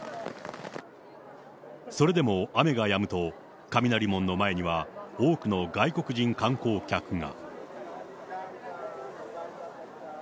それでも雨がやむと、雷門の前には多くの外国人観光客が。